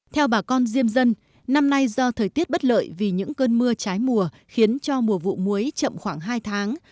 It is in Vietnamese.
theo bà con diêm dân năm nay do thời tiết bất lợi vì những cơn mưa trái mùa khiến cho mùa vụ muối chậm khoảng hai tháng